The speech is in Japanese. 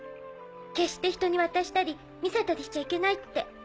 決して人に渡したり見せたりしちゃいけないって。